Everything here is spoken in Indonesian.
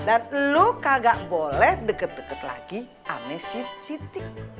dan lo kagak boleh deket deket lagi ame siti